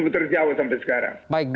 terjawab sampai sekarang